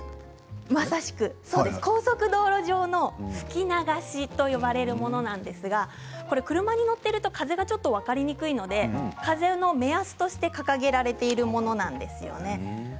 まさしく高速道路上の吹き流しといわれるものなんですが車に乗っていると風がちょっと分かりにくいので風の目安として掲げられているものなんです。